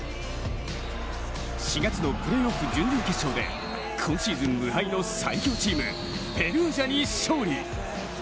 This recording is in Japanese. ４月のプレーオフ準々決勝で今シーズン無敗の最強チーム、ペルージャに勝利。